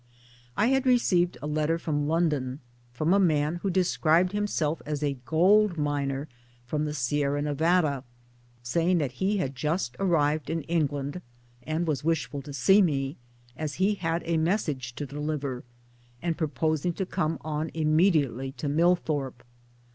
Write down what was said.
I had received a letter from London from a man who described himself as a gold miner from the Sierra Nevada, saying that he had just arrived in England, and was wishful to see me, as he had a message to deliver, and proposing to come on imme diately to Millthorpe.